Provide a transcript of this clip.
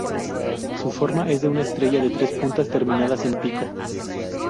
Su forma es de una estrella de tres puntas, terminadas en pico.